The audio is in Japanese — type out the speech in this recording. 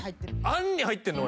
あんに入ってんの？